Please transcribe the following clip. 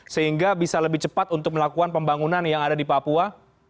sehingga bisa lebih cepat untuk melakukan pembangunan yang ada di papua